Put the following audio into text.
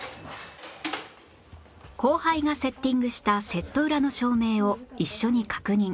後輩がセッティングしたセット裏の照明を一緒に確認